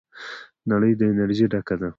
نړۍ د انرژۍ ډکه ده.